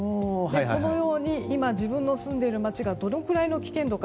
このように今自分の住んでいる街がどのくらいの危険度か。